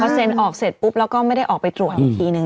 เซ็นออกเสร็จปุ๊บแล้วก็ไม่ได้ออกไปตรวจอีกทีนึง